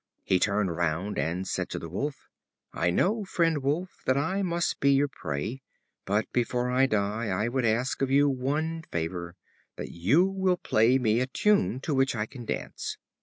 He turned round, and said to the Wolf: "I know, friend Wolf, that I must be your prey; but before I die, I would ask of you one favor, that you will play me a tune, to which I may dance."